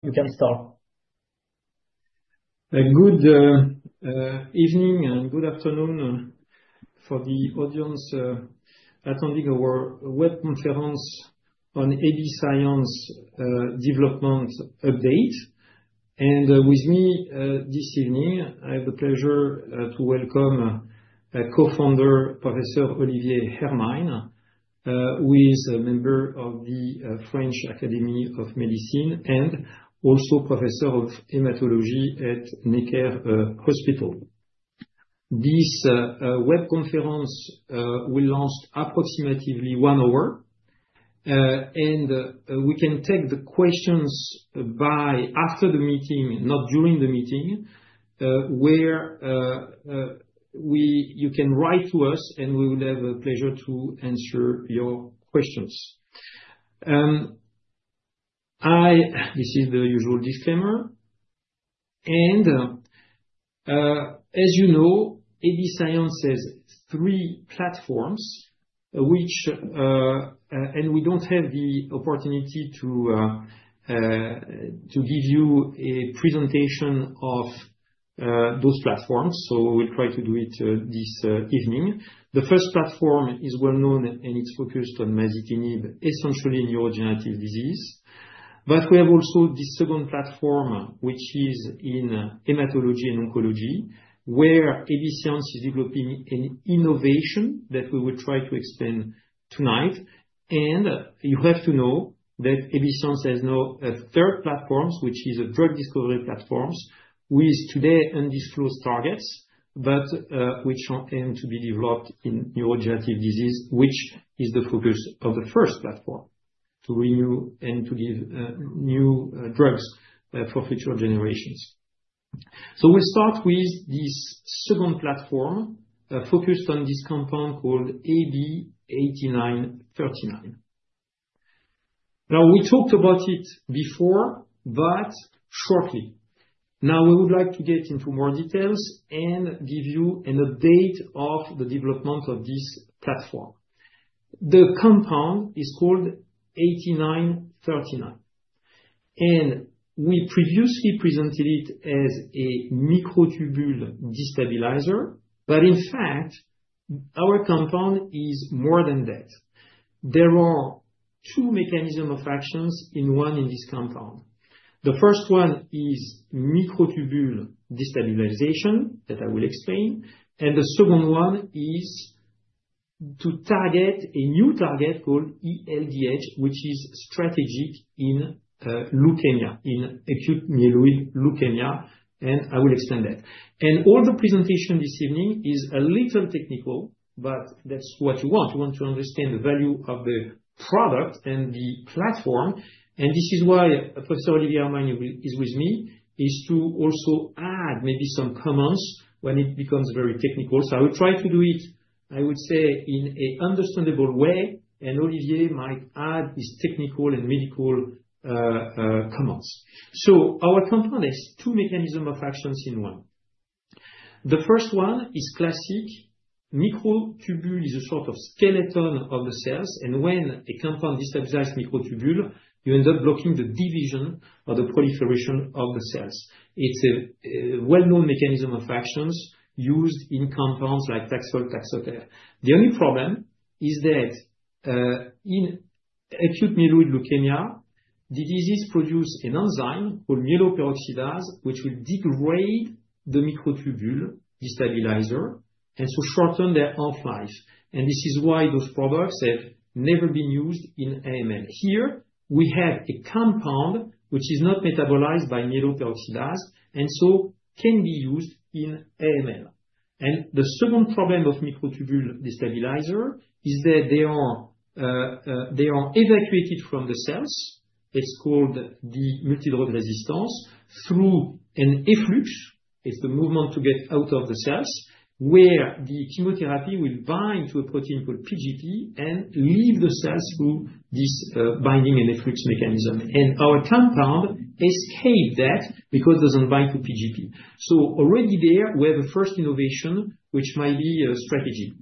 You can start. Good evening and good afternoon for the audience attending our web conference on AB Science Alain Moussy Development Update. And with me this evening, I have the pleasure to welcome co-founder Professor Olivier Hermine who is a member of the French Academy of Medicine and also Professor of Hematology at Necker Hospital. This web conference will last approximately one hour, and we can take the questions after the meeting, not during the meeting, where you can write to us and we will have the pleasure to answer your questions. This is the usual disclaimer. And as you know, AB Science has three platforms, and we don't have the opportunity to give you a presentation of those platforms, so we'll try to do it this evening. The first platform is well known and it's focused on masitinib, essentially neurodegenerative disease. But we have also this second platform, which is in hematology and oncology, where AB Science is developing an innovation that we will try to explain tonight. And you have to know that AB Science has now a third platform, which is a drug discovery platform with today undisclosed targets, but which are aimed to be developed in neurodegenerative disease, which is the focus of the first platform to renew and to give new drugs for future generations. So we'll start with this second platform focused on this compound called AB8939. Now, we talked about it before, but shortly. Now, we would like to get into more details and give you an update of the development of this platform. The compound is called AB8939. And we previously presented it as a microtubule destabilizer, but in fact, our compound is more than that. There are two mechanisms of action in one in this compound. The first one is microtubule destabilization that I will explain, and the second one is to target a new target called ALDH, which is strategic in leukemia, in acute myeloid leukemia, and I will explain that. And all the presentation this evening is a little technical, but that's what you want. You want to understand the value of the product and the platform. And this is why Professor Olivier Hermine is with me, is to also add maybe some comments when it becomes very technical. So I will try to do it, I would say, in an understandable way, and Olivier might add his technical and medical comments. So our compound has two mechanisms of actions in one. The first one is classic. Microtubule is a sort of skeleton of the cells, and when a compound destabilizes microtubule, you end up blocking the division or the proliferation of the cells. It's a well-known mechanism of actions used in compounds like Taxol, Taxotere. The only problem is that in acute myeloid leukemia, the disease produces an enzyme called myeloperoxidase, which will degrade the microtubule destabilizer and shorten their half-life. And this is why those products have never been used in AML. Here, we have a compound which is not metabolized by myeloperoxidase and so can be used in AML. And the second problem of microtubule destabilizer is that they are evacuated from the cells. It's called the multidrug resistance through an efflux. It's the movement to get out of the cells where the chemotherapy will bind to a protein called P-gp and leave the cells through this binding and efflux mechanism. Our compound escapes that because it doesn't bind to P-gp. Already there, we have a first innovation which might be a strategy.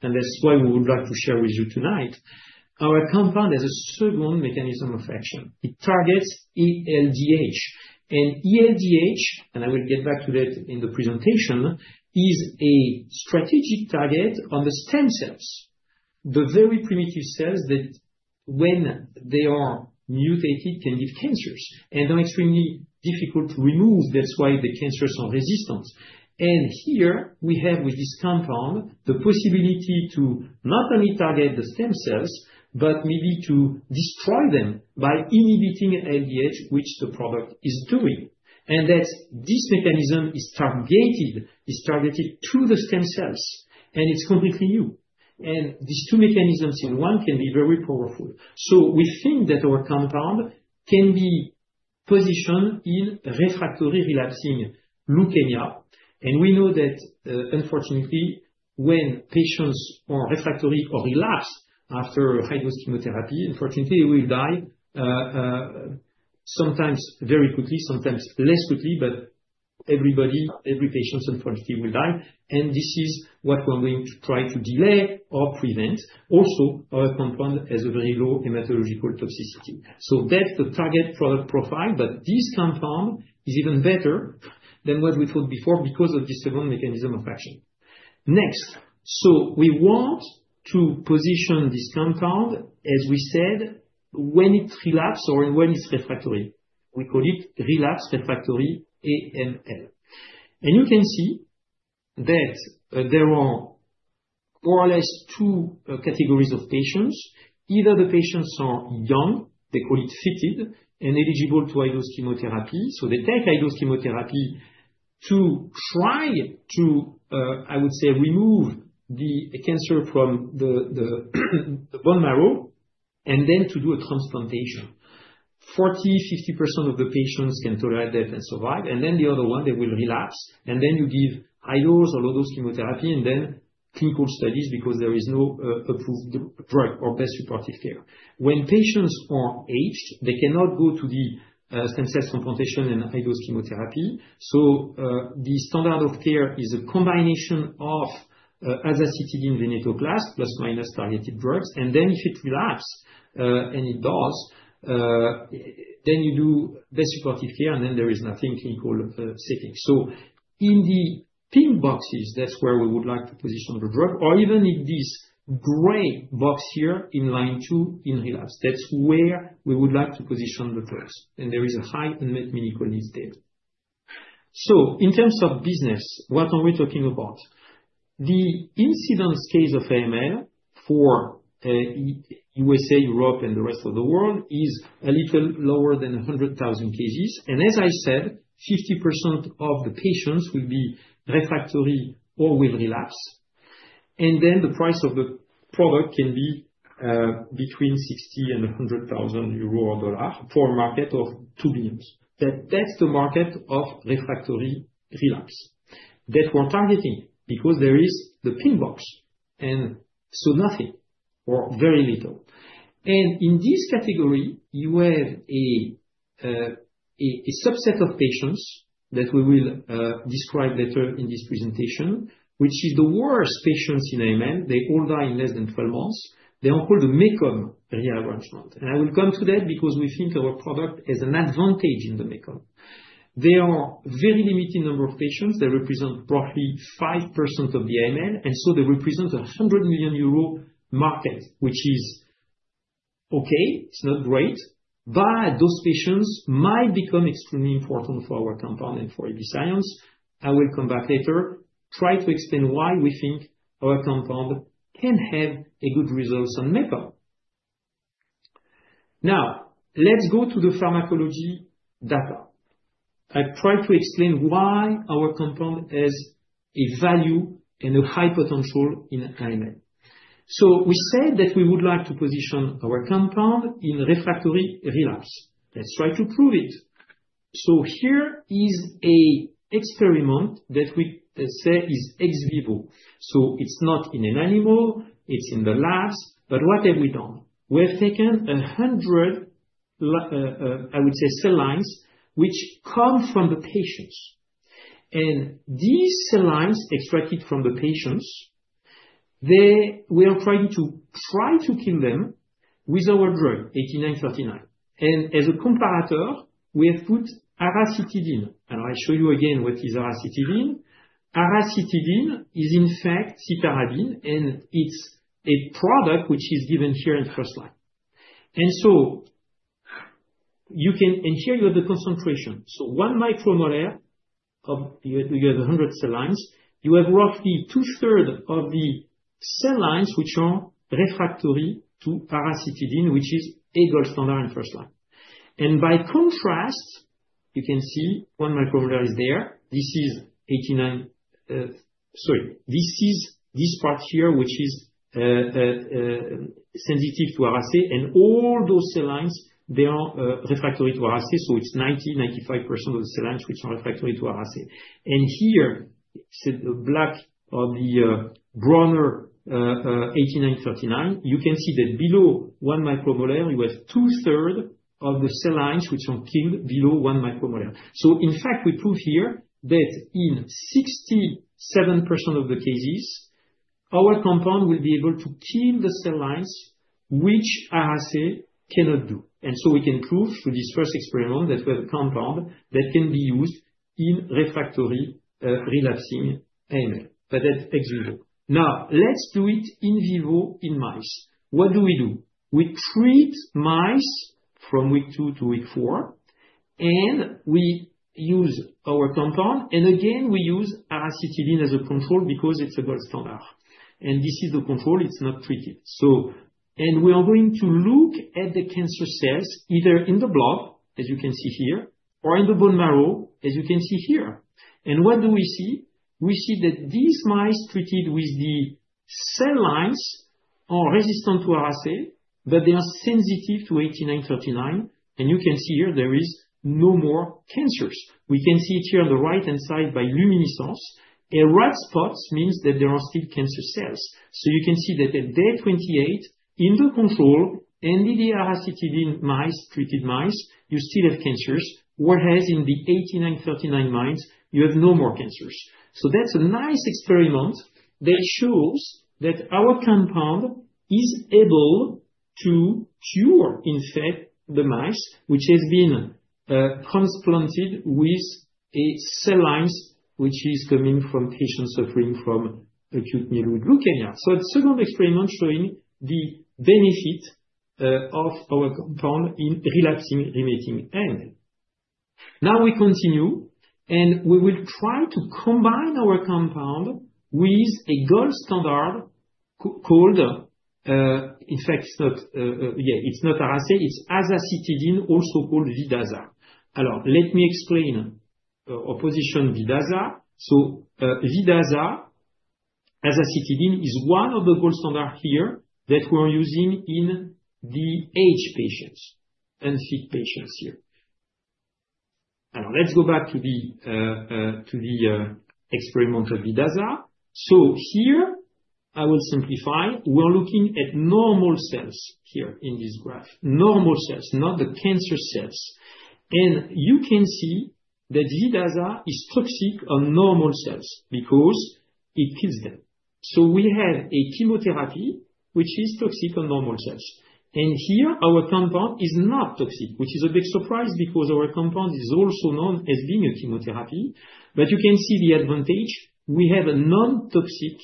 And that's why we would like to share with you tonight, our compound has a second mechanism of action. It targets ALDH. ALDH, and I will get back to that in the presentation, is a strategic target on the stem cells, the very primitive cells that when they are mutated can give cancers and are extremely difficult to remove. That's why the cancers are resistant. Here we have with this compound the possibility to not only target the stem cells, but maybe to destroy them by inhibiting ALDH, which the product is doing. That's this mechanism is targeted to the stem cells, and it's completely new. These two mechanisms in one can be very powerful. We think that our compound can be positioned in refractory relapsing leukemia. And we know that, unfortunately, when patients are refractory or relapse after high-dose chemotherapy, unfortunately, they will die sometimes very quickly, sometimes less quickly, but everybody, every patient, unfortunately, will die. And this is what we're going to try to delay or prevent. Also, our compound has a very low hematological toxicity. That's the target product profile, but this compound is even better than what we thought before because of this second mechanism of action. Next, we want to position this compound, as we said, when it relapses or when it's refractory. We call it relapse refractory AML. And you can see that there are more or less two categories of patients. Either the patients are young, they call it fit, and eligible to high-dose chemotherapy. So they take high-dose chemotherapy to try to, I would say, remove the cancer from the bone marrow and then to do a transplantation. 40%, 50% of the patients can tolerate that and survive. And then the other one, they will relapse. And then you give high-dose or low-dose chemotherapy and then clinical studies because there is no approved drug or best supportive care. When patients are aged, they cannot go to the stem cell transplantation and high-dose chemotherapy. So the standard of care is a combination of azacitidine venetoclax, ± targeted drugs. And then if it relapse, and it does, then you do best supportive care, and then there is nothing clinical setting. So in the pink boxes, that's where we would like to position the drug, or even in this gray box here in line two in relapse. That's where we would like to position the drugs. There is a high unmet medical needs there. In terms of business, what are we talking about? The incidence case of AML for USA, Europe, and the rest of the world is a little lower than 100,000 cases. As I said, 50% of the patients will be refractory or will relapse. The price of the product can be between 60,000 and 100,000 euro or $60,000 and $100,000 for a market of $2 billion. That's the market of refractory relapse. That we're targeting because there is the pink box, and so nothing or very little. In this category, you have a subset of patients that we will describe better in this presentation, which is the worst patients in AML. They all die in less than 12 months. They are called the MECOM rearrangement. I will come to that because we think our product has an advantage in the MECOM. They are a very limited number of patients. They represent roughly 5% of the AML, and so they represent a 100 million euro market, which is okay. It's not great. Those patients might become extremely important for our compound and for AB Science. I will come back later, try to explain why we think our compound can have a good result on MECOM. Now, let's go to the pharmacology data. I've tried to explain why our compound has a value and a high potential in AML. We said that we would like to position our compound in refractory relapse. Let's try to prove it. Here is an experiment that we say is ex vivo. It's not in an animal. It's in the labs. What have we done? We have taken 100, I would say, cell lines which come from the patients. These cell lines extracted from the patients, we are trying to kill them with our drug, AB8939. As a comparator, we have put azacitidine. I'll show you again what is azacitidine. Azacitidine is, in fact, Vidaza, and it's a product which is given here in first line. So you can, and here you have the concentration. One micromolar, you have 100 cell lines. You have roughly two-thirds of the cell lines which are refractory to azacitidine, which is the gold standard in first line. By contrast, you can see one micromolar is there. This is AB8939, sorry. This is this part here which is sensitive to AB8939. All those cell lines, they are refractory to azacitidine. It's 90-95% of the cell lines which are refractory to azacitidine. And here, the black bar for AB8939, you can see that below one micromolar, you have two-thirds of the cell lines which are killed below one micromolar. So in fact, we prove here that in 67% of the cases, our compound will be able to kill the cell lines which azacitidine cannot do. And so we can prove through this first experiment that we have a compound that can be used in refractory relapsing AML, but that's ex vivo. Now, let's do it in vivo in mice. What do we do? We treat mice from week two to week four, and we use our compound. And again, we use azacitidine as a control because it's a gold standard. And this is the control. It's not treated. So, and we are going to look at the cancer cells either in the blood, as you can see here, or in the bone marrow, as you can see here. And what do we see? We see that these mice treated with the cell lines are resistant to azacitidine, but they are sensitive to AB8939. And you can see here there is no more cancers. We can see it here on the right-hand side by luminescence. And red spots means that there are still cancer cells. So you can see that at day 28 in the control and azacitidine mice, treated mice, you still have cancers, whereas in the AB8939 mice, you have no more cancers. That's a nice experiment that shows that our compound is able to cure, in fact, the mice which have been transplanted with cell lines which are coming from patients suffering from acute myeloid leukemia. It's a second experiment showing the benefit of our compound in relapsing remitting AML. Now we continue, and we will try to combine our compound with a gold standard called, in fact, it's not, yeah, it's not azacit, it's azacitidine, also called Vidaza. Alors, let me explain our position Vidaza. So Vidaza, azacitidine is one of the gold standards here that we're using in the aged patients and fit patients here. Alors, let's go back to the experiment of Vidaza. So here, I will simplify. We're looking at normal cells here in this graph, normal cells, not the cancer cells. You can see that Vidaza is toxic on normal cells because it kills them. So we have a chemotherapy which is toxic on normal cells. And here, our compound is not toxic, which is a big surprise because our compound is also known as being a chemotherapy. But you can see the advantage. We have a non-toxic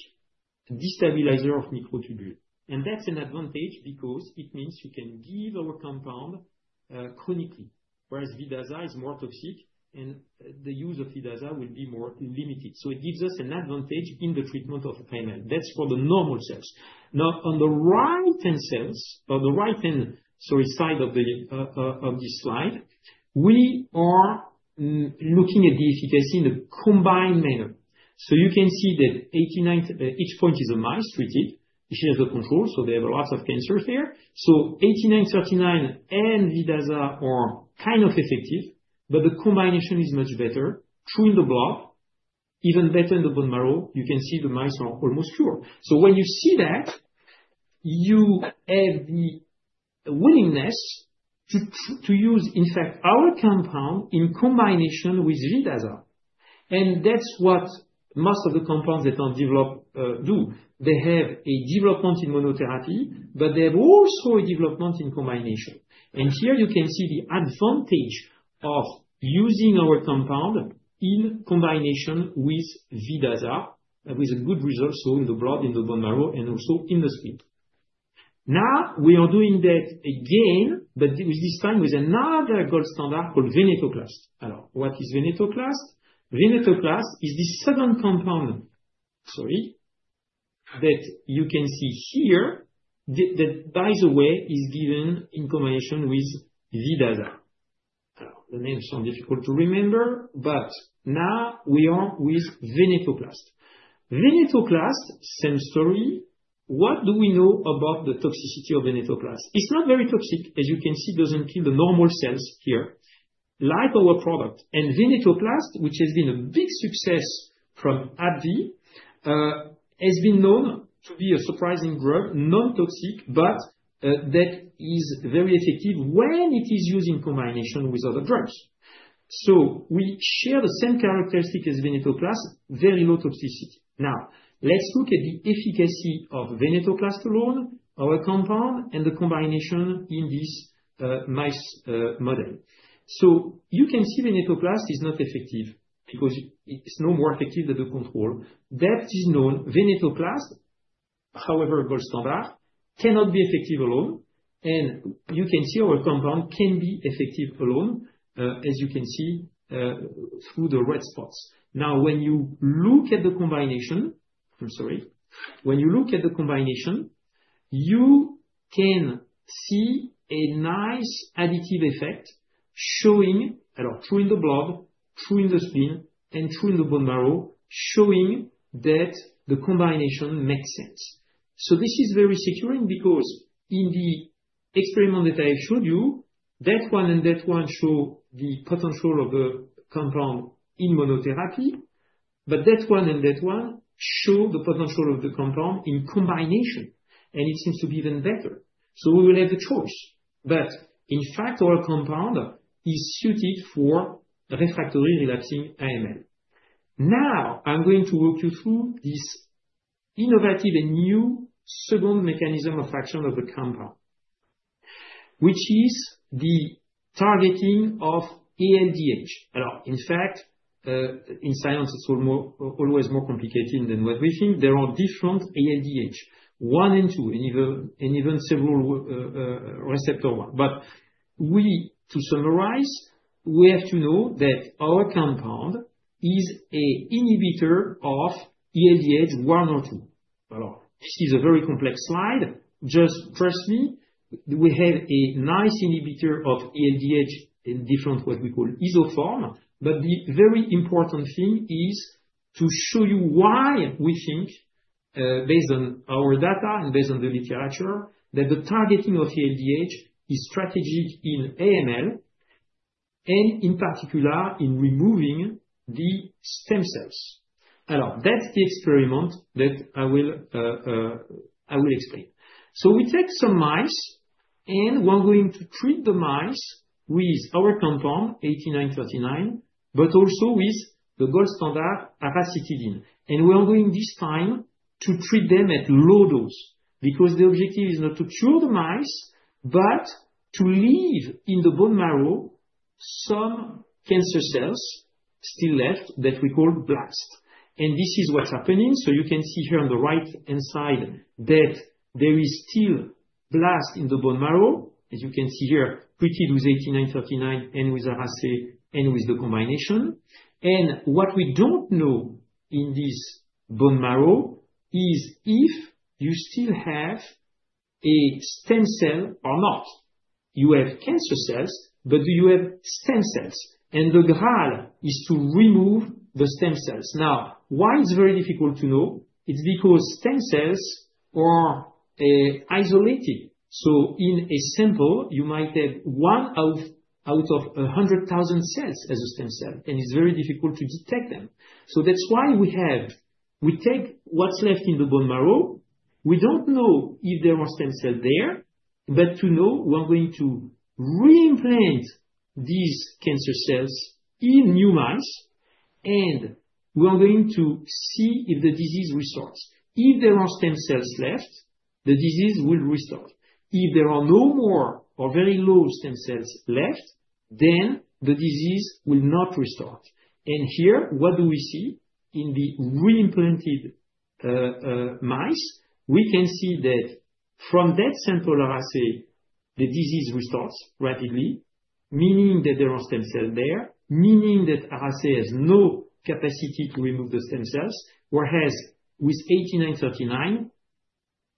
destabilizer of microtubule. And that's an advantage because it means you can give our compound clinically, whereas Vidaza is more toxic, and the use of Vidaza will be more limited. So it gives us an advantage in the treatment of AML. That's for the normal cells. Now, on the right-hand cells, or the right-hand, sorry, side of this slide, we are looking at the efficacy in a combined manner. So you can see that AB8939, each point is a mice treated. She has a control, so they have lots of cancers there. AB8939 and Vidaza are kind of effective, but the combination is much better. True in the blood, even better in the bone marrow. You can see the mice are almost cured. So when you see that, you have the willingness to use, in fact, our compound in combination with Vidaza. And that's what most of the compounds that are developed do. They have a development in monotherapy, but they have also a development in combination. And here, you can see the advantage of using our compound in combination with Vidaza, with a good result, so in the blood, in the bone marrow, and also in the skin. Now, we are doing that again, but this time with another gold standard called venetoclax. Alors, what is venetoclax? venetoclax is the second compound, sorry, that you can see here that, by the way, is given in combination with Vidaza. Alors, the names are difficult to remember, but now we are with venetoclax. venetoclax, same story. What do we know about the toxicity of venetoclax? It's not very toxic. As you can see, it doesn't kill the normal cells here, like our product. And venetoclax, which has been a big success from AbbVie, has been known to be a surprising drug, non-toxic, but that is very effective when it is used in combination with other drugs. So we share the same characteristic as venetoclax, very low toxicity. Now, let's look at the efficacy of venetoclax alone, our compound, and the combination in this mice model. So you can see venetoclax is not effective because it's no more effective than the control. That is known. venetoclax, however, gold standard, cannot be effective alone. And you can see our compound can be effective alone, as you can see through the red spots. Now, when you look at the combination, I'm sorry, when you look at the combination, you can see a nice additive effect showing, alors, true in the blood, true in the skin, and true in the bone marrow, showing that the combination makes sense, so this is very securing because in the experiment that I showed you, that one and that one show the potential of the compound in monotherapy, but that one and that one show the potential of the compound in combination, and it seems to be even better, so we will have the choice, but in fact, our compound is suited for refractory relapsing AML. Now, I'm going to walk you through this innovative and new second mechanism of action of the compound, which is the targeting of ALDH. Alors, in fact, in science, it's always more complicated than what we think. There are different ALDH, one and two, and even several receptor ones. But we, to summarize, we have to know that our compound is an inhibitor of ALDH 1 or 2. Alors, this is a very complex slide. Just trust me, we have a nice inhibitor of ALDH in different what we call isoform. But the very important thing is to show you why we think, based on our data and based on the literature, that the targeting of ALDH is strategic in AML, and in particular, in removing the stem cells. Alors, that's the experiment that I will explain. So we take some mice, and we're going to treat the mice with our compound AB8939, but also with the gold standard azacitidine. We are going this time to treat them at low dose because the objective is not to cure the mice, but to leave in the bone marrow some cancer cells still left that we call blasts. And this is what's happening. So you can see here on the right-hand side that there is still blast in the bone marrow, as you can see here, treated with AB8939 and with azacitidine and with the combination. And what we don't know in this bone marrow is if you still have a stem cell or not. You have cancer cells, but do you have stem cells? And the goal is to remove the stem cells. Now, why it's very difficult to know? It's because stem cells are isolated. So in a sample, you might have one out of 100,000 cells as a stem cell, and it's very difficult to detect them. So that's why we have, we take what's left in the bone marrow. We don't know if there are stem cells there, but to know, we're going to reimplant these cancer cells in new mice, and we're going to see if the disease restarts. If there are stem cells left, the disease will restart. If there are no more or very low stem cells left, then the disease will not restart. And here, what do we see? In the reimplanted mice, we can see that from that sample of azacitidine, the disease restarts rapidly, meaning that there are stem cells there, meaning that azacitidine has no capacity to remove the stem cells, whereas with AB8939,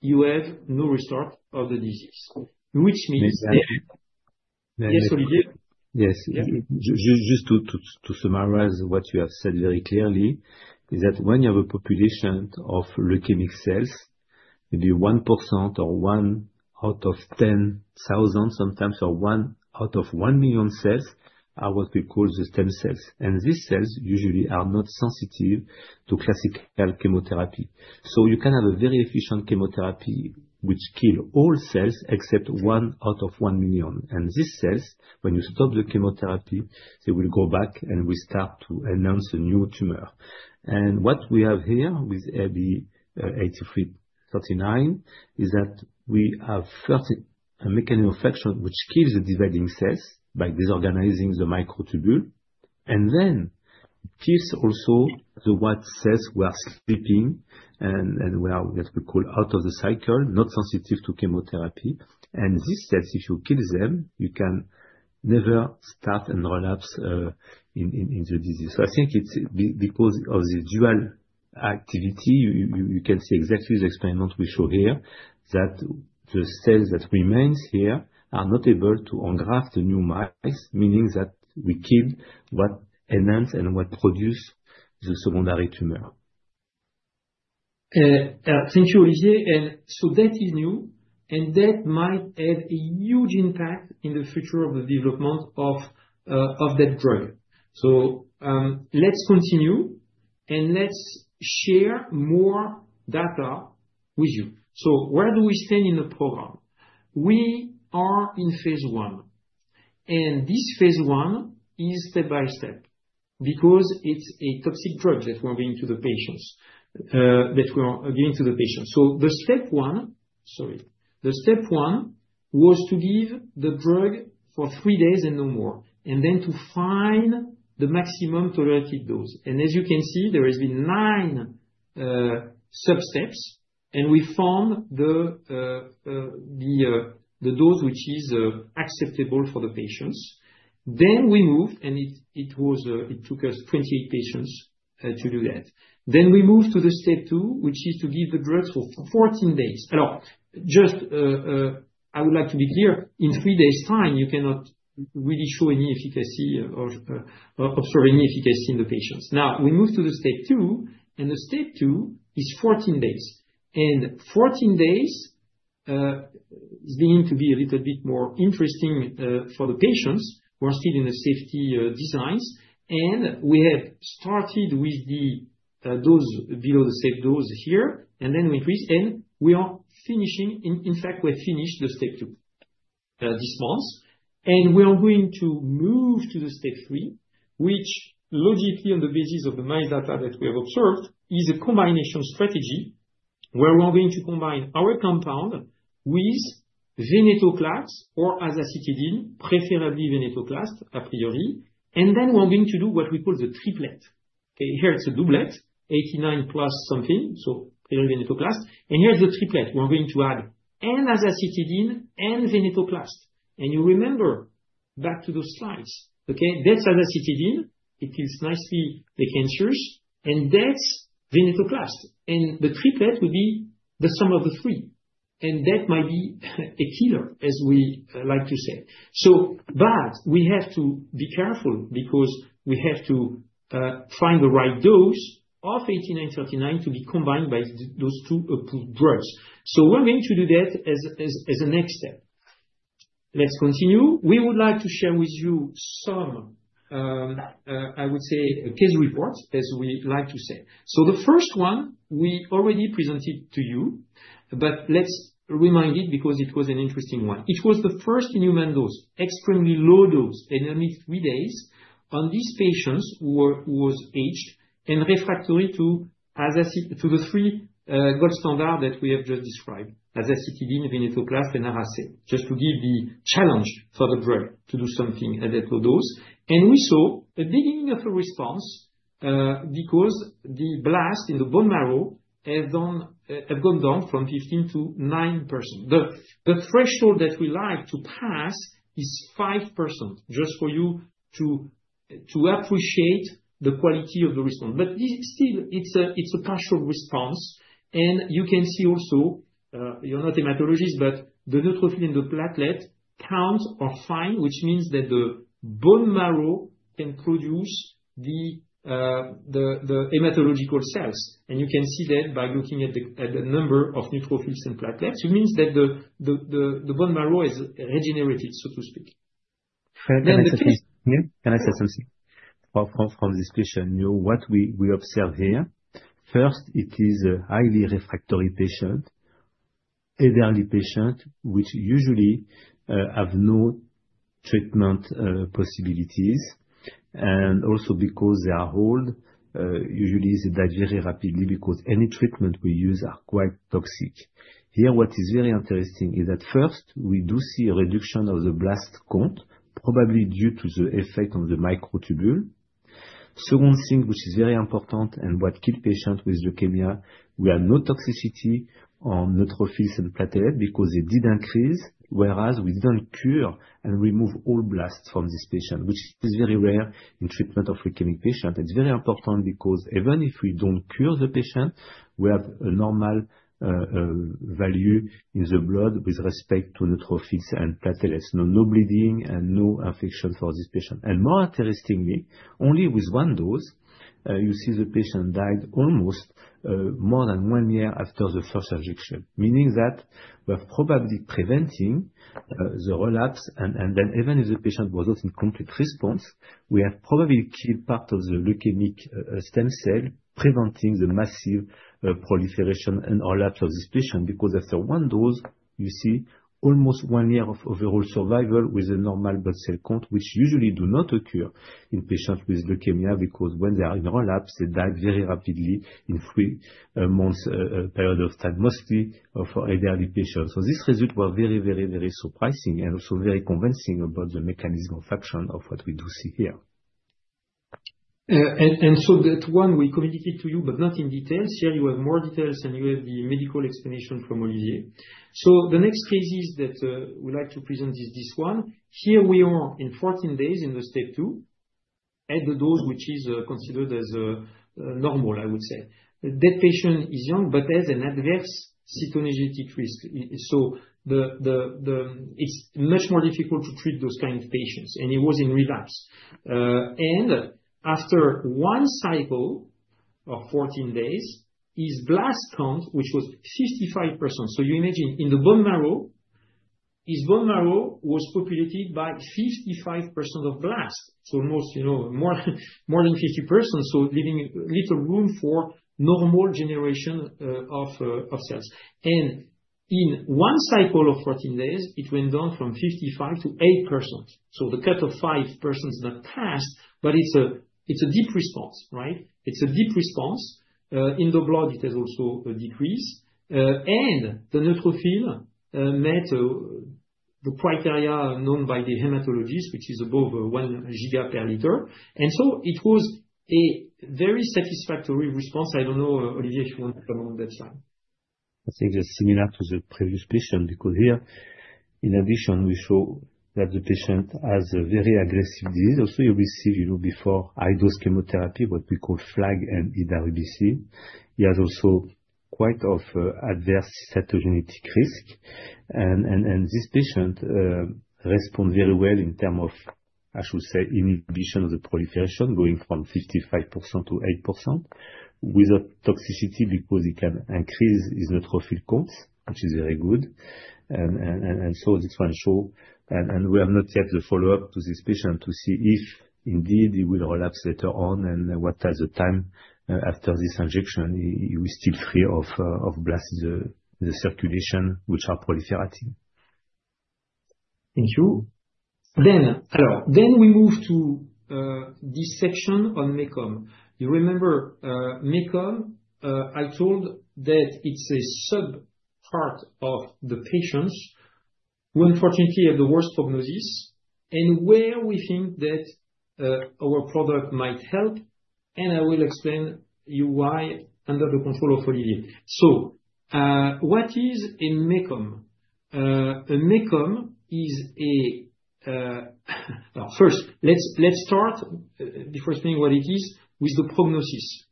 you have no restart of the disease, which means that. Yes, Olivier? Yes. Just to summarize what you have said very clearly, is that when you have a population of leukemic cells, maybe 1% or one out of 10,000 sometimes, or one out of one million cells are what we call the stem cells, and these cells usually are not sensitive to classical chemotherapy, so you can have a very efficient chemotherapy which kills all cells except one out of one million, and these cells, when you stop the chemotherapy, they will go back and will start to announce a new tumor, and what we have here with AB8939 is that we have a mechanism of action which kills the dividing cells by disorganizing the microtubule, and then it kills also the white cells who are sleeping and that we call out of the cycle, not sensitive to chemotherapy. And these cells, if you kill them, you can never start and relapse in the disease. So I think it's because of this dual activity. You can see exactly the experiment we show here that the cells that remain here are not able to engraft the new mice, meaning that we kill what announces and what produces the secondary tumor. Thank you, Olivier. And so that is new, and that might have a huge impact in the future of the development of that drug. So let's continue and let's share more data with you. So where do we stand in the program? We are in Phase I. And this Phase I is step by step because it's a toxic drug that we're giving to the patients, that we're giving to the patients. The step one, sorry, the step one was to give the drug for three days and no more, and then to find the maximum tolerated dose. And as you can see, there have been nine substeps, and we found the dose which is acceptable for the patients. Then we moved, and it took us 28 patients to do that. Then we moved to the step two, which is to give the drug for 14 days. Alors, just I would like to be clear, in three days' time, you cannot really show any efficacy or observe any efficacy in the patients. Now, we moved to the step two, and the step two is 14 days. And 14 days is beginning to be a little bit more interesting for the patients. We're still in the safety designs, and we have started with the dose below the safe dose here, and then we increase, and we are finishing. In fact, we have finished the step two this month. And we are going to move to the step three, which logically, on the basis of the mice data that we have observed, is a combination strategy where we're going to combine our compound with venetoclax or azacitidine, preferably venetoclax a priori. And then we're going to do what we call the triplet. Okay, here it's a doublet, 89+ something, so a priori venetoclax. And here's the triplet. We're going to add an azacitidine and venetoclax. And you remember back to those slides, okay? That's azacitidine. It kills nicely the cancers, and that's venetoclax. And the triplet would be the sum of the three. That might be a killer, as we like to say. So, but we have to be careful because we have to find the right dose of AB8939 to be combined by those two drugs. So we're going to do that as a next step. Let's continue. We would like to share with you some, I would say, case reports, as we like to say. So the first one, we already presented to you, but let's remind it because it was an interesting one. It was the first-in-human dose, extremely low dose, and only three days on these patients who were aged and refractory to the three gold standards that we have just described: azacitidine, venetoclax, and azacitidine, just to give the challenge for the drug to do something at that low dose. We saw a beginning of a response because the blast in the bone marrow has gone down from 15 to 9%. The threshold that we like to pass is 5%, just for you to appreciate the quality of the response. Still, it's a partial response. You can see also, you're not a hematologist, but the neutrophil and the platelet count are fine, which means that the bone marrow can produce the hematological cells. You can see that by looking at the number of neutrophils and platelets, which means that the bone marrow has regenerated, so to speak. Can I say something? From this patient, what we observe here, first, it is a highly refractory patient, elderly patient, which usually have no treatment possibilities. Also because they are old, usually they die very rapidly because any treatment we use is quite toxic. Here, what is very interesting is that first, we do see a reduction of the blast count, probably due to the effect on the microtubule. Second thing, which is very important and what kills patients with leukemia, we have no toxicity on neutrophils and platelets because they did increase, whereas we didn't cure and remove all blasts from this patient, which is very rare in treatment of leukemic patients. It's very important because even if we don't cure the patient, we have a normal value in the blood with respect to neutrophils and platelets. No bleeding and no infection for this patient. And more interestingly, only with one dose, you see the patient died almost more than one year after the first injection, meaning that we are probably preventing the relapse. Then even if the patient was not in complete response, we have probably killed part of the leukemic stem cell, preventing the massive proliferation and relapse of this patient because after one dose, you see almost one year of overall survival with a normal blood cell count, which usually does not occur in patients with leukemia because when they are in relapse, they die very rapidly in three months' period of time, mostly for elderly patients. These results were very, very, very surprising and also very convincing about the mechanism of action of what we do see here. That one, we communicate to you, but not in detail. Here, you have more details and you have the medical explanation from Olivier. The next phase is that we like to present is this one. Here we are in 14 days in the step two, at the dose which is considered as normal, I would say. That patient is young but has an adverse cytogenetic risk. So it's much more difficult to treat those kinds of patients. He was in relapse. After one cycle of 14 days, his blast count, which was 55%, so you imagine in the bone marrow, his bone marrow was populated by 55% of blasts, so more than 50%, leaving little room for normal generation of cells. In one cycle of 14 days, it went down from 55% to 8%. So the cut of 5% that passed, but it's a deep response, right? It's a deep response. In the blood, it has also decreased. The neutrophil met the criteria known by the hematologist, which is above 1 giga per liter. And so it was a very satisfactory response. I don't know, Olivier, if you want to comment on that slide. I think it's similar to the previous patient because here, in addition, we show that the patient has a very aggressive disease. Also, you receive before high-dose chemotherapy, what we call FLAG and EWB. He has also quite an adverse cytogenetic risk. And this patient responds very well in terms of, I should say, inhibition of the proliferation going from 55%-8% with a toxicity because he can increase his neutrophil counts, which is very good. And so this one shows, and we have not yet the follow-up to this patient to see if indeed he will relapse later on and what does the time after this injection, he was still free of blasts in the circulation, which are proliferating. Thank you. Then we move to this section on MECOM. You remember MECOM, I told that it's a subpart of the patients who unfortunately have the worst prognosis and where we think that our product might help. And I will explain to you why under the control of Olivier. So what is a MECOM? A MECOM is a, first, let's start before explaining what it is with the prognosis.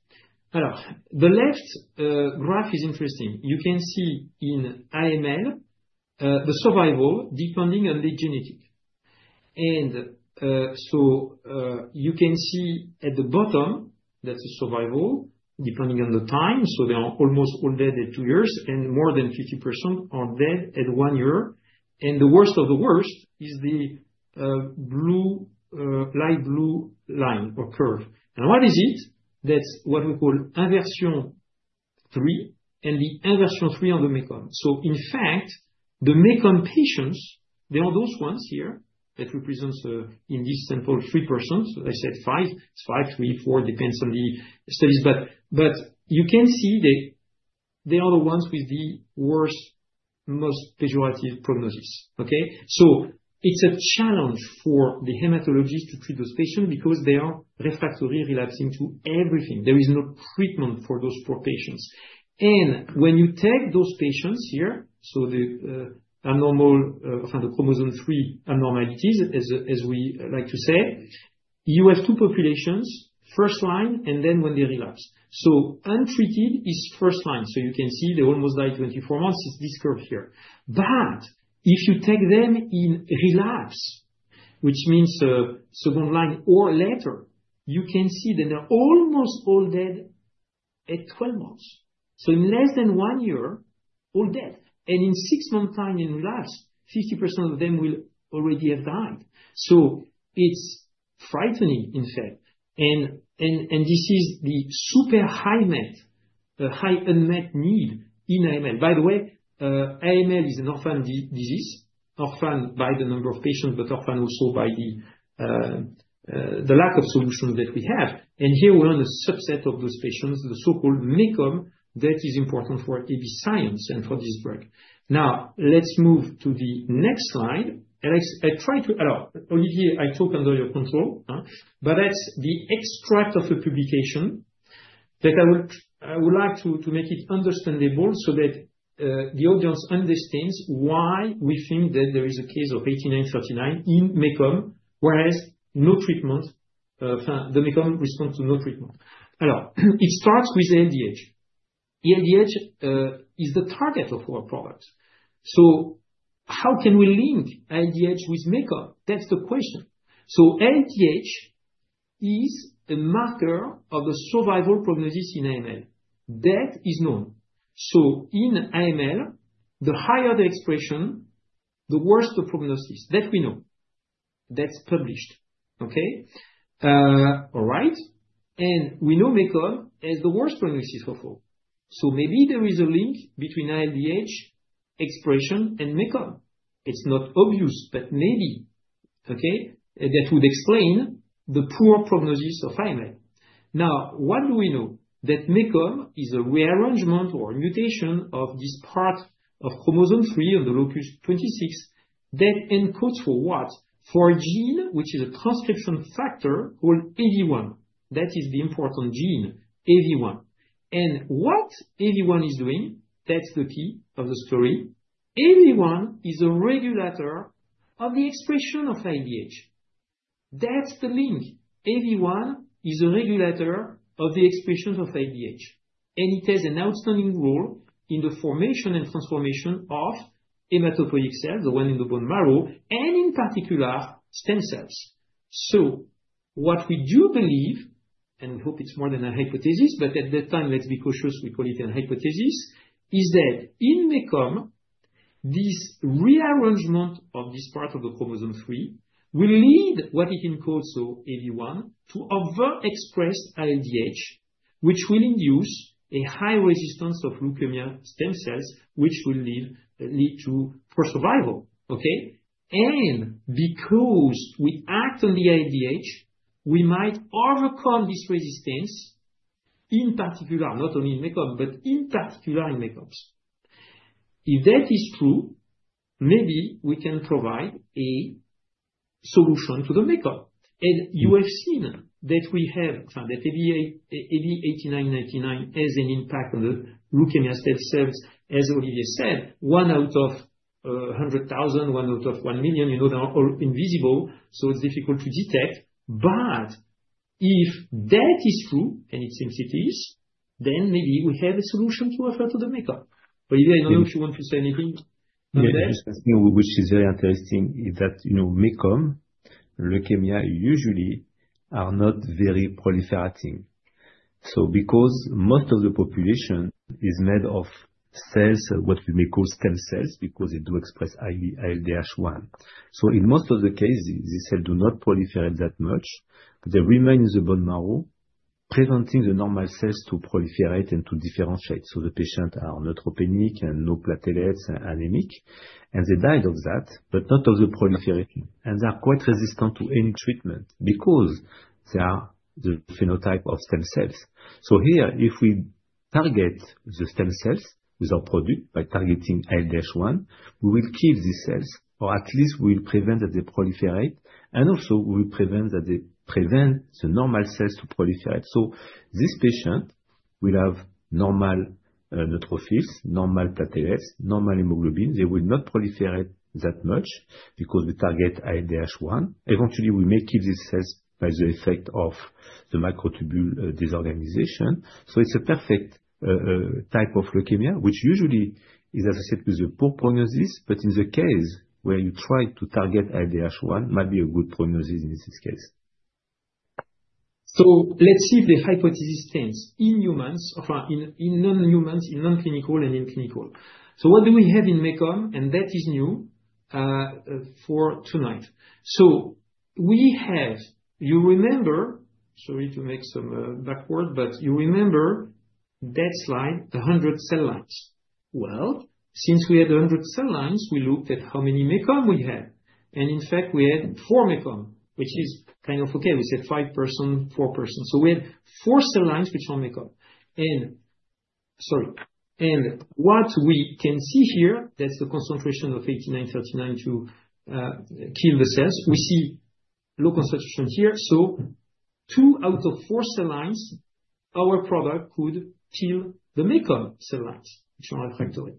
The left graph is interesting. You can see in AML the survival depending on the genetic. And so you can see at the bottom, that's the survival depending on the time. So they are almost all dead at two years, and more than 50% are dead at one year. And the worst of the worst is the light blue line or curve. And what is it? That's what we call inversion 3 and the inversion 3 on the MECOM. So in fact, the MECOM patients, they are those ones here that represent in this sample 3%. I said five, it's five, three, four, depends on the studies. But you can see that they are the ones with the worst, most pejorative prognosis. Okay? So it's a challenge for the hematologist to treat those patients because they are refractory, relapsing to everything. There is no treatment for those poor patients. And when you take those patients here, so the abnormal, the chromosome 3 abnormalities, as we like to say, you have two populations, first line and then when they relapse. So untreated is first line. So you can see they almost die 24 months, it's this curve here. But if you take them in relapse, which means second line or later, you can see that they're almost all dead at 12 months. So in less than one year, all dead. In six months' time in relapse, 50% of them will already have died. It's frightening, in fact. This is the super high unmet, high unmet need in AML. By the way, AML is an orphan disease, orphaned by the number of patients, but orphaned also by the lack of solutions that we have. Here we're on a subset of those patients, the so-called MECOM, that is important for AB Science and for this drug. Now, let's move to the next slide. I tried to, Olivier, talk under your control, but that's the extract of the publication that I would like to make it understandable so that the audience understands why we think that there is a case for AB8939 in MECOM, whereas no treatment, the MECOM response to no treatment. It starts with ALDH. ALDH is the target of our product. So how can we link ALDH with MECOM? That's the question. So ALDH is a marker of the survival prognosis in AML. That is known. So in AML, the higher the expression, the worse the prognosis. That we know. That's published. Okay? All right. And we know MECOM has the worst prognosis of all. So maybe there is a link between ALDH expression and MECOM. It's not obvious, but maybe, okay? That would explain the poor prognosis of AML. Now, what do we know? That MECOM is a rearrangement or mutation of this part of chromosome three on the locus 26 that encodes for what? For a gene which is a transcription factor called EVI1. That is the important gene, EVI1. And what EVI1 is doing, that's the key of the story. EVI1 is a regulator of the expression of ALDH. That's the link. EVI1 is a regulator of the expression of ALDH. And it has an outstanding role in the formation and transformation of hematopoietic cells, the one in the bone marrow, and in particular, stem cells. So what we do believe, and we hope it's more than a hypothesis, but at that time, let's be cautious, we call it a hypothesis, is that in MECOM, this rearrangement of this part of the chromosome three will lead what it encodes, so EVI1, to overexpressed ALDH, which will induce a high resistance of leukemia stem cells, which will lead to poor survival. Okay? And because we act on the ALDH, we might overcome this resistance in particular, not only in MECOM, but in particular in MECOMs. If that is true, maybe we can provide a solution to the MECOM. You have seen that we have that AB8939 has an impact on the leukemia stem cells, as Olivier said, one out of 100,000, one out of one million. You know, they are all invisible, so it's difficult to detect. But if that is true, and it seems it is, then maybe we have a solution to offer to the MECOM. Olivier, I don't know if you want to say anything on that. Which is very interesting is that MECOM leukemia usually are not very proliferating. So because most of the population is made of cells, what we may call stem cells, because they do express ALDH1. So in most of the cases, these cells do not proliferate that much. They remain in the bone marrow, preventing the normal cells to proliferate and to differentiate. So the patients are neutropenic and no platelets and anemic. And they died of that, but not of the proliferation. And they are quite resistant to any treatment because they are the phenotype of stem cells. So here, if we target the stem cells with our product by targeting ALDH, we will kill these cells, or at least we will prevent that they proliferate. And also, we will prevent that they prevent the normal cells to proliferate. So this patient will have normal neutrophils, normal platelets, normal hemoglobin. They will not proliferate that much because we target ALDH. Eventually, we may kill these cells by the effect of the microtubule disorganization. So it's a perfect type of leukemia, which usually is associated with a poor prognosis, but in the case where you try to target ALDH, it might be a good prognosis in this case. So let's see if the hypothesis stands in humans, in non-humans, in non-clinical and in clinical. What do we have in MECOM? And that is new for tonight. We have, you remember, sorry to make some backward, but you remember that slide, 100 cell lines. Well, since we had 100 cell lines, we looked at how many MECOM we had. And in fact, we had four MECOM, which is kind of okay. We said 5%, 4%. So we had four cell lines, which are MECOM. And sorry. And what we can see here, that's the concentration of AB8939 to kill the cells. We see low concentration here. So two out of four cell lines, our product could kill the MECOM cell lines, which are refractory.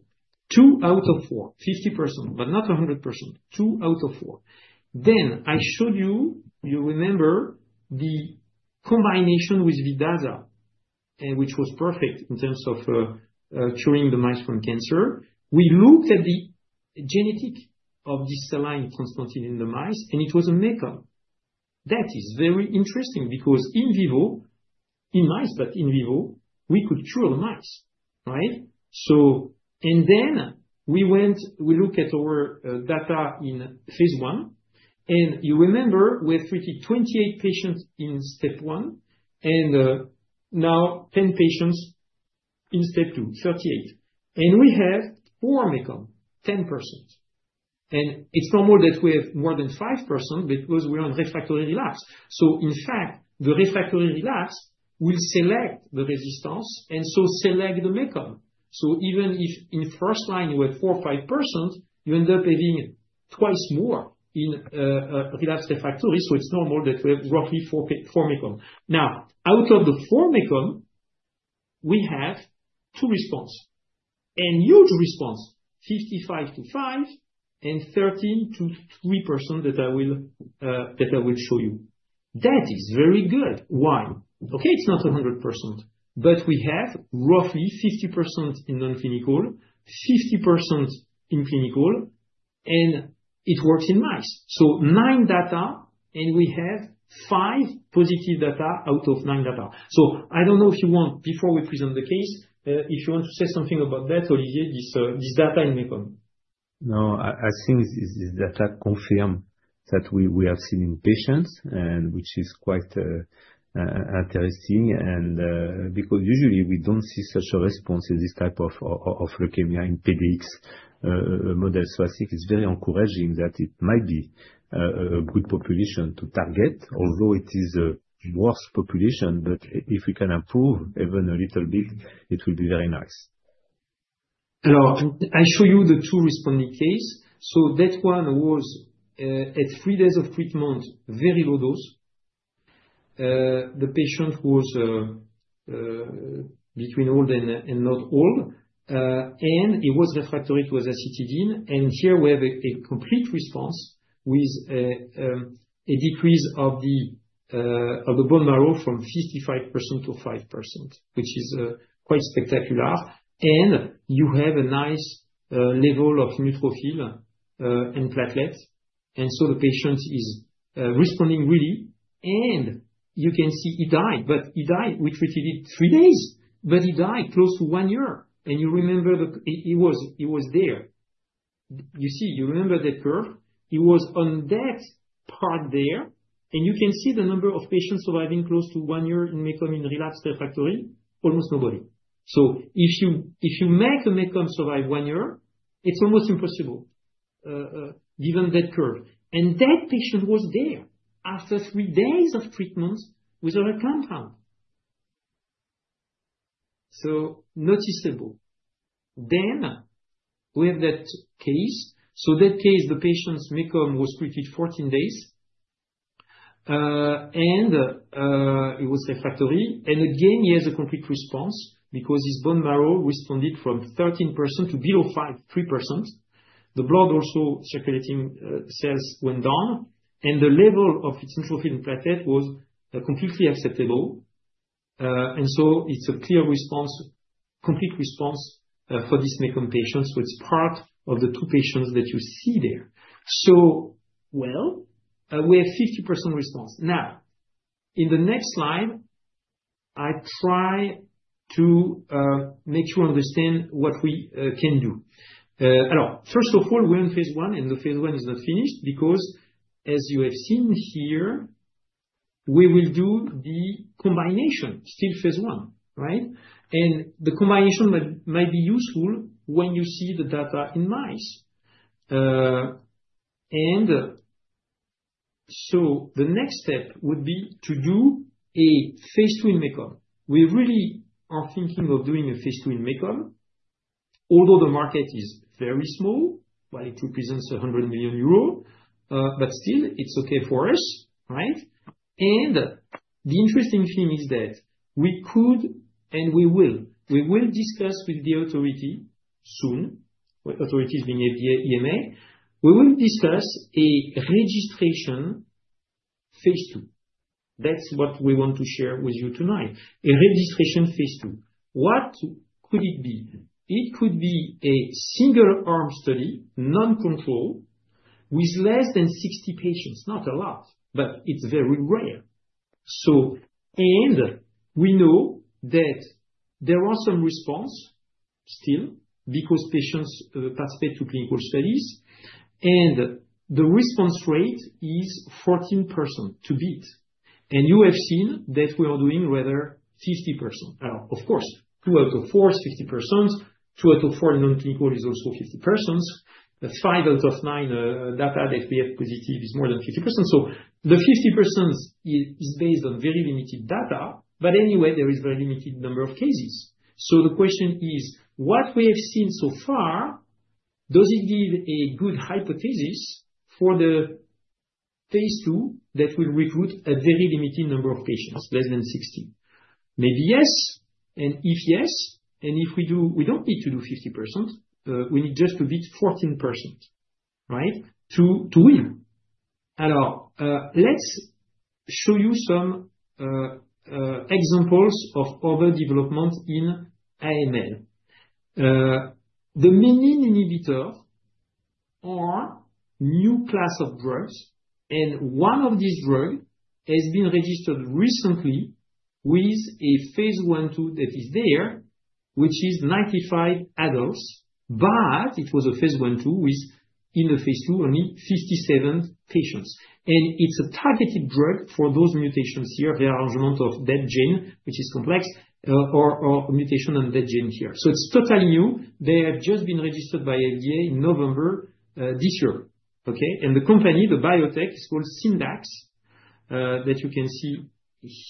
Two out of four, 50%, but not 100%. Two out of four. Then I showed you, you remember the combination with Vidaza, which was perfect in terms of curing the mice from cancer. We looked at the genetic of this cell line transported in the mice, and it was a MECOM. That is very interesting because in vivo, in mice, but in vivo, we could cure the mice, right? So and then we went, we looked at our data in Phase I. And you remember we have treated 28 patients in step one, and now 10 patients in step two, 38. And we have four MECOM, 10%. And it's normal that we have more than 5% because we are in refractory relapse. So in fact, the refractory relapse will select the resistance and so select the MECOM. So even if in first line you have 4 or 5%, you end up having twice more in relapse refractory. So it's normal that we have roughly four MECOM. Now, out of the four MECOM, we have two responses. A huge response, 55%-5% and 13%-3% that I will show you. That is very good. Why? Okay, it's not 100%, but we have roughly 50% in non-clinical, 50% in clinical, and it works in mice. So nine data, and we have five positive data out of nine data. So I don't know if you want, before we present the case, if you want to say something about that, Olivier, this data in MECOM. No, I think this data confirms that we have seen in patients, which is quite interesting. Because usually we don't see such a response in this type of leukemia in PDX models, so I think it's very encouraging that it might be a good population to target, although it is a worse population, but if we can improve even a little bit, it will be very nice. I show you the two responding cases. That one was at three days of treatment, very low dose. The patient was between old and not old, and it was refractory to azacitidine. Here we have a complete response with a decrease of the bone marrow from 55% to 5%, which is quite spectacular. You have a nice level of neutrophil and platelets. The patient is responding really. You can see he died, but he died. We treated it three days, but he died close to one year. And you remember that he was there. You see, you remember that curve. It was on that part there. And you can see the number of patients surviving close to one year in MECOM in relapsed refractory, almost nobody. So if you make a MECOM survive one year, it's almost impossible, given that curve. And that patient was there after three days of treatment with a compound. So noticeable. Then we have that case. So that case, the patient's MECOM was treated 14 days, and it was refractory. And again, he has a complete response because his bone marrow responded from 13% to below 3%. The blood also circulating cells went down, and the level of its neutrophil and platelet was completely acceptable. And so it's a clear response, complete response for these MECOM patients. So it's part of the two patients that you see there. We have 50% response. Now, in the next slide, I try to make sure you understand what we can do. First of all, we're in Phase I, and the Phase I is not finished because, as you have seen here, we will do the combination, still Phase I, right? The combination might be useful when you see the data in mice. The next step would be to do a Phase II in MECOM. We really are thinking of doing a Phase II in MECOM, although the market is very small, while it represents 100 million euros, but still, it's okay for us, right? The interesting thing is that we could, and we will, we will discuss with the authority soon, authority being FDA EMA. We will discuss a registration Phase II. That's what we want to share with you tonight. A registration Phase II. What could it be? It could be a single-arm study, non-controlled, with less than 60 patients. Not a lot, but it's very rare. And we know that there are some responses still because patients participate in clinical studies. And the response rate is 14% to beat. And you have seen that we are doing rather 50%. Of course, two out of four is 50%. Two out of four in non-clinical is also 50%. Five out of nine data that we have positive is more than 50%. So the 50% is based on very limited data, but anyway, there is a very limited number of cases. So the question is, what we have seen so far, does it give a good hypothesis for the Phase II that will recruit a very limited number of patients, less than 60? Maybe yes. If yes, and if we don't need to do 50%, we need just to beat 14%, right? To win. Let's show you some examples of other developments in AML. The menin inhibitors are a new class of drugs, and one of these drugs has been registered recently with a Phase 1/2 that is there, which is 95 adults, but it was a Phase 1/2 with, in the Phase II, only 57 patients. And it's a targeted drug for those mutations here, rearrangement of that gene, which is MECOM, or mutation on that gene here. So it's totally new. They have just been registered by FDA in November this year. Okay? And the company, the biotech, is called Syndax, that you can see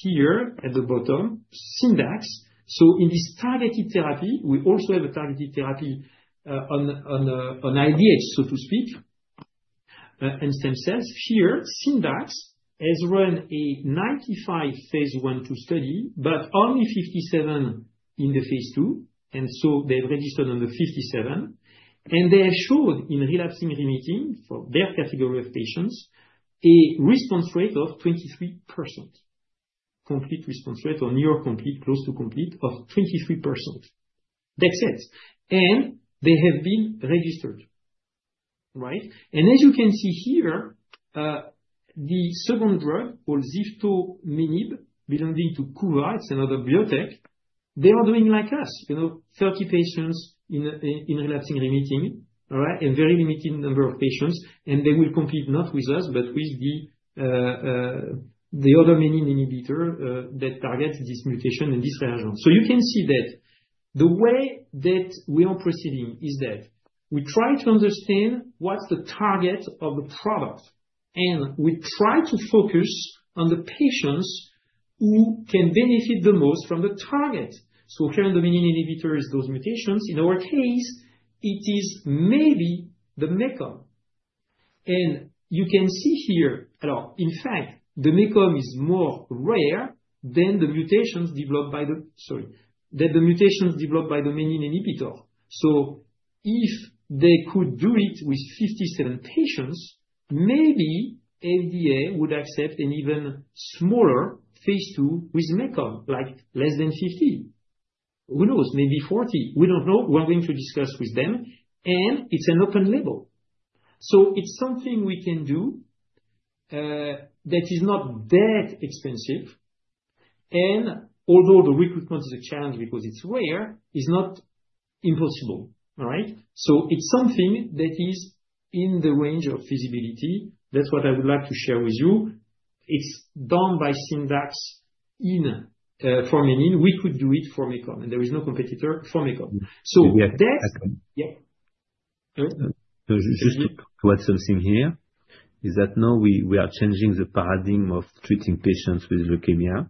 here at the bottom. Syndax. So in this targeted therapy, we also have a targeted therapy on IDH, so to speak, and stem cells. Here, Syndax has run a 95-patient Phase 1/2 study, but only 57 in the Phase II. And so they've registered on the 57. And they have showed in relapsed/refractory for their category of patients, a response rate of 23%. Complete response rate or near complete, close to complete of 23%. That's it. And they have been registered, right? And as you can see here, the second drug called ziftomenib, belonging to Kura, it's another biotech. They are doing like us, you know, 30 patients in relapsed/refractory, right? And very limited number of patients. And they will compete not with us, but with the other menin inhibitor that targets this mutation and this rearrangement. So you can see that the way that we are proceeding is that we try to understand what's the target of the product. And we try to focus on the patients who can benefit the most from the target. So here in the menin inhibitor is those mutations. In our case, it is maybe the MECOM. And you can see here, in fact, the MECOM is more rare than the mutations developed by the, sorry, that the mutations developed by the menin inhibitor. So if they could do it with 57 patients, maybe FDA would accept an even smaller Phase II with MECOM, like less than 50. Who knows? Maybe 40. We don't know. We're going to discuss with them. And it's an open label. So it's something we can do that is not that expensive. And although the recruitment is a challenge because it's rare, it's not impossible, right? So it's something that is in the range of feasibility. That's what I would like to share with you. It's done by Syndax for menin. We could do it for MECOM. And there is no competitor for MECOM. So that's yep. Just to add something here, is that now we are changing the paradigm of treating patients with leukemia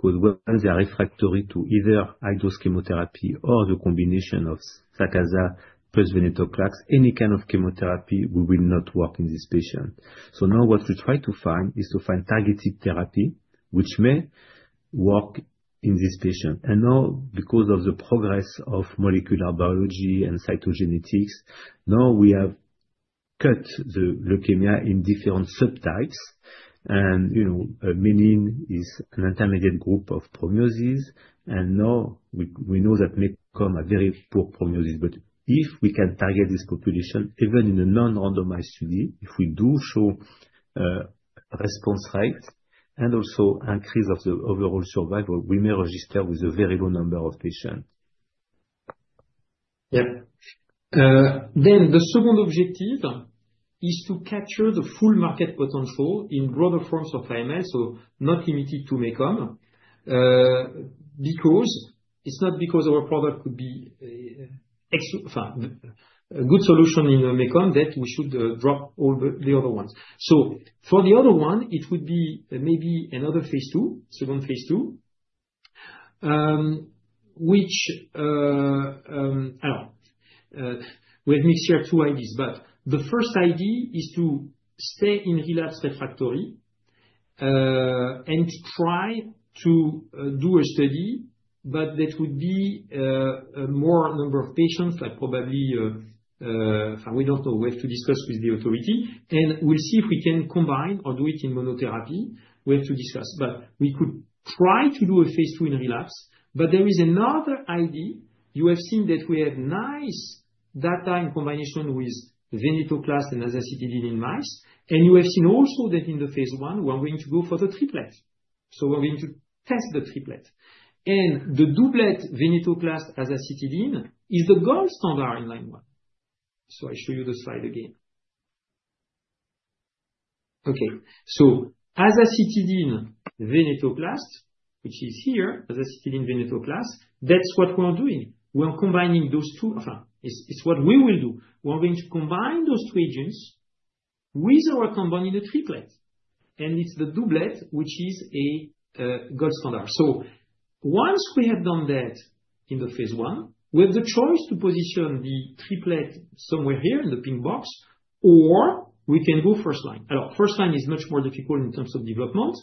because once they are refractory to either high-dose chemotherapy or the combination of azacitidine plus venetoclax, any kind of chemotherapy will not work in this patient. So now what we try to find is to find targeted therapy which may work in this patient. And now, because of the progress of molecular biology and cytogenetics, now we have cut the leukemia in different subtypes. And menin is an intermediate group of prognosis. And now we know that MECOM has very poor prognosis. But if we can target this population, even in a non-randomized study, if we do show response rates and also increase of the overall survival, we may register with a very low number of patients. Yep. Then the second objective is to capture the full market potential in broader forms of AML, so not limited to MECOM, because it's not because our product could be a good solution in MECOM that we should drop all the other ones. So for the other one, it would be maybe another Phase II, second Phase II, which we have mixed here two ideas, but the first idea is to stay in relapse refractory and try to do a study, but that would be a more number of patients, like probably, we don't know, we have to discuss with the authority. And we'll see if we can combine or do it in monotherapy. We have to discuss. But we could try to do a Phase II in relapse. But there is another idea. You have seen that we have nice data in combination with venetoclax and azacitidine in mice. And you have seen also that in the Phase I, we're going to go for the triplet. So we're going to test the triplet. And the doublet venetoclax azacitidine is the gold standard in line one. So I show you the slide again. Okay. So azacitidine venetoclax, which is here, azacitidine venetoclax, that's what we're doing. We're combining those two. It's what we will do. We're going to combine those two agents with our combined triplet. And it's the doublet, which is a gold standard. So once we have done that in the phase 1, we have the choice to position the triplet somewhere here in the pink box, or we can go first line. First line is much more difficult in terms of development.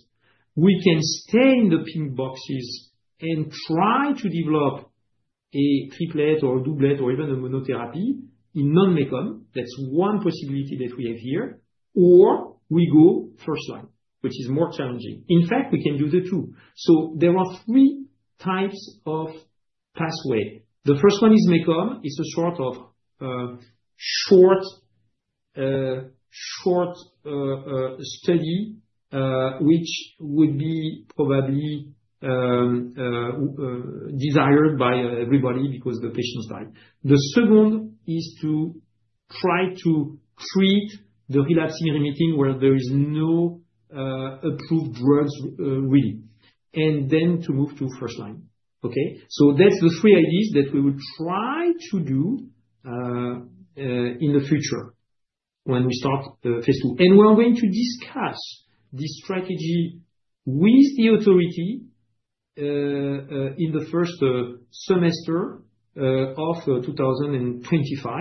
We can stay in the pink boxes and try to develop a triplet or a doublet or even a monotherapy in non-MECOM. That's one possibility that we have here. Or we go first line, which is more challenging. In fact, we can do the two. So there are three types of pathway. The first one is MECOM. It's a sort of short study, which would be probably desired by everybody because the patient died. The second is to try to treat the relapsing remitting where there are no approved drugs really, and then to move to first line. Okay? So that's the three ideas that we will try to do in the future when we start Phase II. And we're going to discuss this strategy with the authority in the first semester of 2025.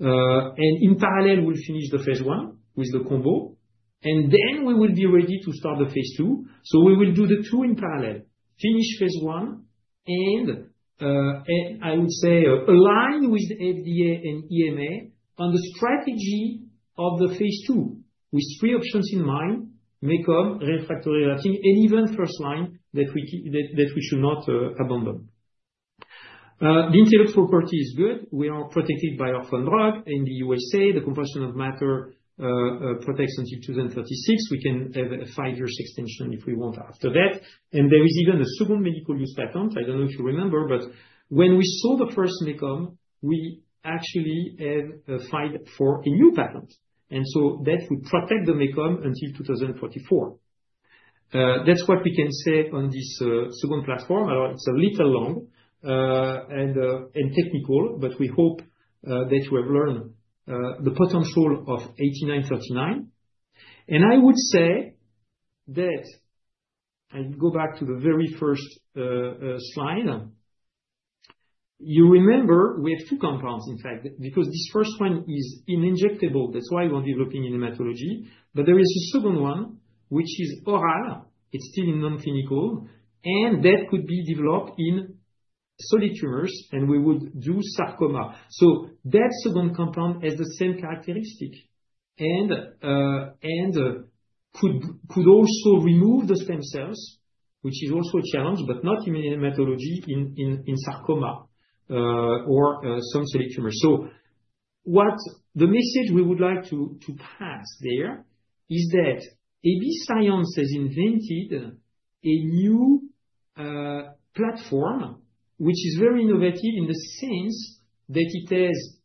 And in parallel, we'll finish the Phase I with the combo. And then we will be ready to start the Phase II. So we will do the two in parallel, finish Phase I, and I would say align with FDA and EMA on the strategy of the Phase II with three options in mind: MECOM, refractory relapsing, and even first line that we should not abandon. The intellectual property is good. We are protected by our lead drug in the USA. The composition of matter protects until 2036. We can have a five-year extension if we want after that. And there is even a second medical use patent. I don't know if you remember, but when we saw the first MECOM, we actually have filed for a new patent. And so that would protect the MECOM until 2044. That's what we can say on this second platform. It's a little long and technical, but we hope that you have learned the potential of 8939. And I would say that I go back to the very first slide. You remember we have two compounds, in fact, because this first one is injectable. That's why we're developing in hematology. But there is a second one, which is oral. It's still in non-clinical. And that could be developed in solid tumors, and we would do sarcoma. So that second compound has the same characteristic and could also remove the stem cells, which is also a challenge, but not in hematology, in sarcoma or some solid tumors. The message we would like to pass there is that AB Science has invented a new platform, which is very innovative in the sense that it has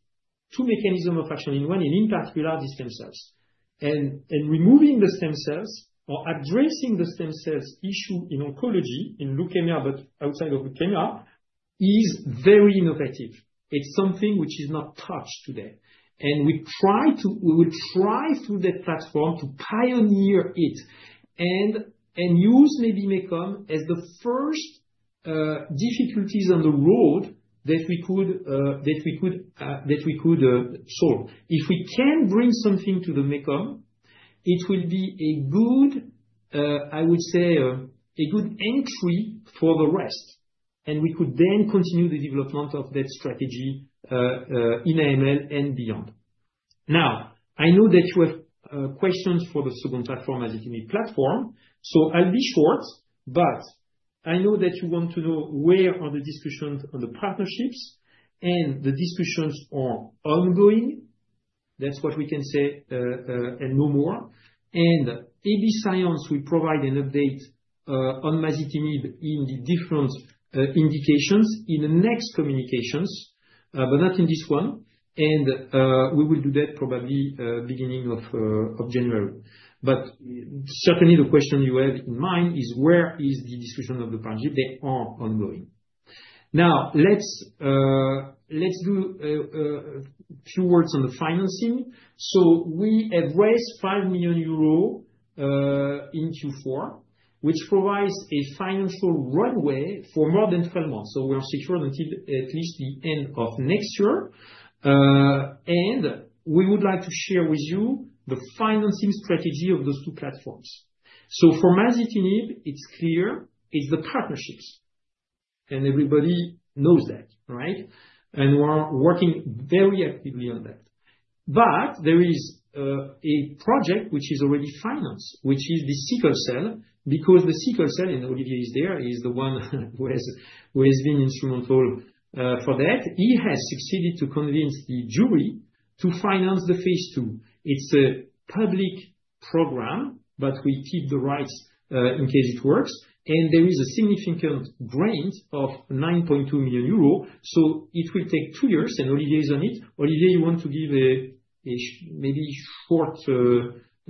two mechanisms of action in one, and in particular, the stem cells. Removing the stem cells or addressing the stem cells issue in oncology, in leukemia, but outside of leukemia, is very innovative. It's something which is not touched today. We will try through that platform to pioneer it and use maybe MECOM as the first difficulties on the road that we could solve. If we can bring something to the MECOM, it will be a good, I would say, a good entry for the rest. We could then continue the development of that strategy in AML and beyond. Now, I know that you have questions for the second platform, masitinib platform. I'll be short, but I know that you want to know where are the discussions on the partnerships, and the discussions are ongoing. That's what we can say and no more. And AB Science, we provide an update on masitinib in the different indications in the next communications, but not in this one. And we will do that probably beginning of January. But certainly, the question you have in mind is, where is the decision of the partnership? They are ongoing. Now, let's do a few words on the financing. So we have raised 5 million euros in Q4, which provides a financial runway for more than 12 months. So we are secured until at least the end of next year. And we would like to share with you the financing strategy of those two platforms. So for masitinib, it's clear, it's the partnerships. And everybody knows that, right? We're working very actively on that. There is a project which is already financed, which is the sickle cell, because the sickle cell, and Olivier is there, is the one who has been instrumental for that. He has succeeded to convince the jury to finance the Phase II. It's a public program, but we keep the rights in case it works. There is a significant grant of 9.2 million euros. It will take two years, and Olivier is on it. Olivier, you want to give a maybe short,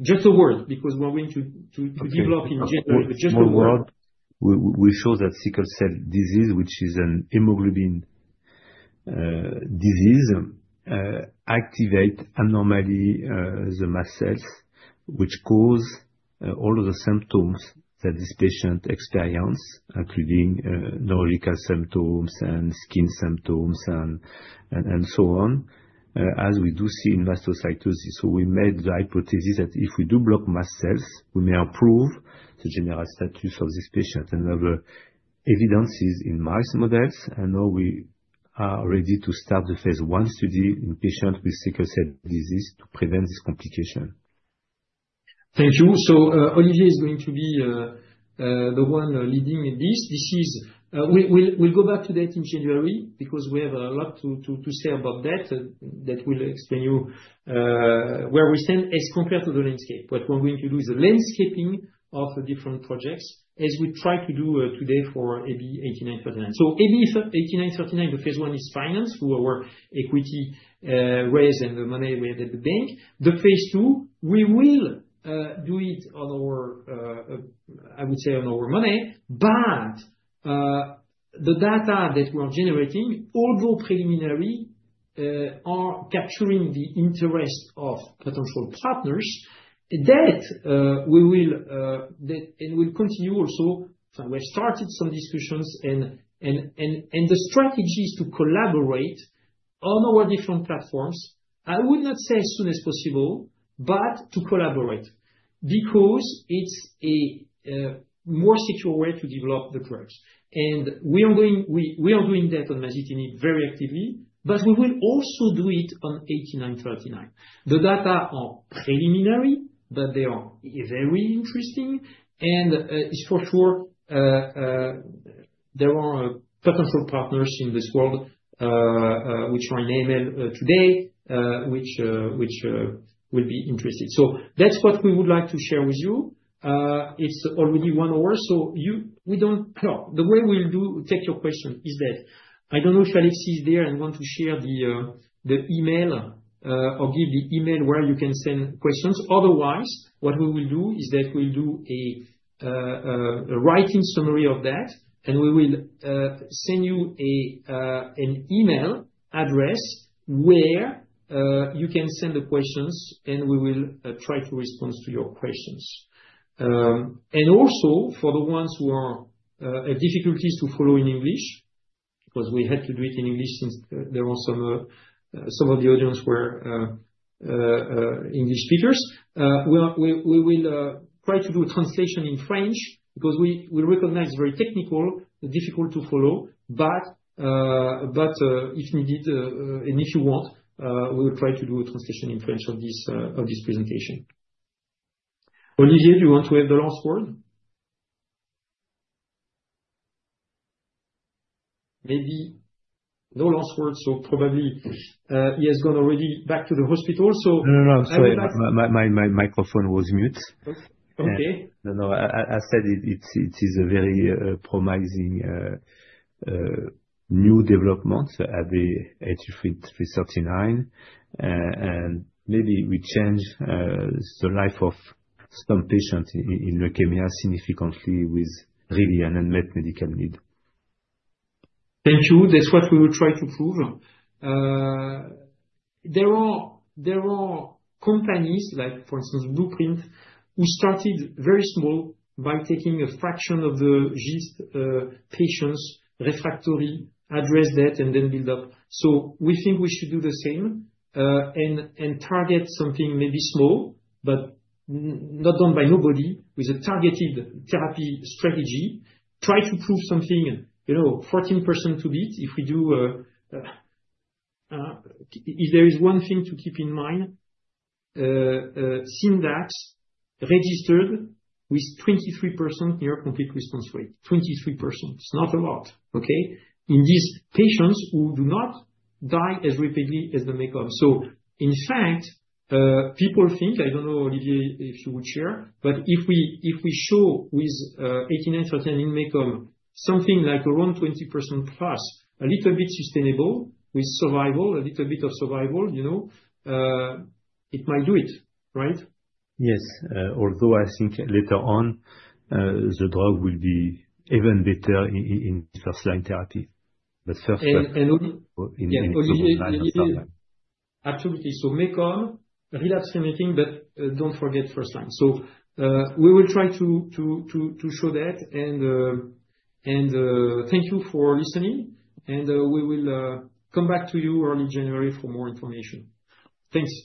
just a word, because we're going to develop in general with just a word. We show that sickle cell disease, which is a hemoglobin disease, activates abnormally the mast cells, which cause all of the symptoms that this patient experiences, including neurological symptoms and skin symptoms and so on, as we do see in mastocytosis. We made the hypothesis that if we do block mast cells, we may improve the general status of this patient. And we have evidence in mice models. And now we are ready to start the Phase I study in patients with sickle cell disease to prevent this complication. Thank you. So Olivier is going to be the one leading this. We'll go back to that in January because we have a lot to say about that. That will explain to you where we stand as compared to the landscape. What we're going to do is the landscape of the different projects as we try to do today for AB8939. So AB8939, the Phase I is financed through our equity raise and the money we have at the bank. The Phase II, we will do it on our, I would say, on our money. But the data that we are generating, although preliminary, are capturing the interest of potential partners. That we will continue also. We've started some discussions, and the strategy is to collaborate on our different platforms. I would not say as soon as possible, but to collaborate because it's a more secure way to develop the drugs. And we are doing that on masitinib very actively, but we will also do it on AB8939. The data are preliminary, but they are very interesting. And it's for sure there are potential partners in this world which are in AML today, which will be interested. So that's what we would like to share with you. It's already one hour. So we don't know. The way we'll take your question is that I don't know if Alexis is there and wants to share the email or give the email where you can send questions. Otherwise, what we will do is that we'll do a writing summary of that, and we will send you an email address where you can send the questions, and we will try to respond to your questions. And also, for the ones who have difficulties to follow in English, because we had to do it in English since some of the audience were English speakers, we will try to do a translation in French because we recognize it's very technical, difficult to follow. But if needed, and if you want, we will try to do a translation in French of this presentation. Olivier, do you want to have the last word? Maybe no last word, so probably he has gone already back to the hospital. No, no, no. I'm sorry. My microphone was mute. Okay. No, no. I said it is a very promising new development, AB8939. Maybe we change the life of some patients in leukemia significantly with really an unmet medical need. Thank you. That's what we will try to prove. There are companies, like for instance, Blueprint, who started very small by taking a fraction of the GIST patients refractory, address that, and then build up. So we think we should do the same and target something maybe small, but not done by nobody, with a targeted therapy strategy. Try to prove something 14% to beat. If there is one thing to keep in mind, Syndax registered with 23% near complete response rate. 23%. It's not a lot, okay? In these patients who do not die as rapidly as the MECOM. So in fact, people think. I don't know, Olivier, if you would share, but if we show with 8939 in MECOM something like around 20%+, a little bit sustainable with survival, a little bit of survival, it might do it, right? Yes. Although I think later on, the drug will be even better in first-line therapy. But first, in second line. Absolutely. So MECOM, relapsed refractory, but don't forget first-line. So we will try to show that. And thank you for listening. And we will come back to you early January for more information. Thanks.